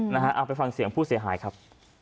เอาไปฟังเสียงผู้เสียหายครับ